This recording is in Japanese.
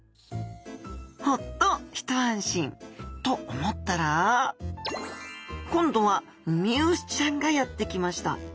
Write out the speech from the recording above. ホッと一安心。と思ったら今度はウミウシちゃんがやって来ました！